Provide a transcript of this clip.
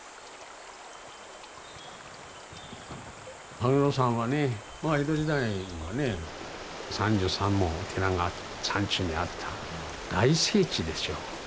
羽黒山はね江戸時代にはね３３もお寺が山中にあった大聖地でしょう。